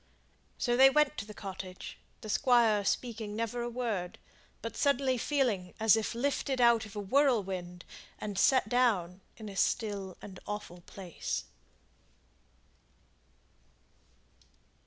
So they went to the cottage, the Squire speaking never a word, but suddenly feeling as if lifted out of a whirlwind and set down in a still and awful place.